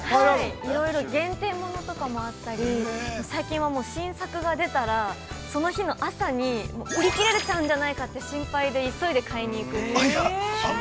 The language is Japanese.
◆いろいろ限定ものもあって、最近は新作が出たら、その日の朝に、売り切れちゃうんじゃないかと急いで買いに行くという。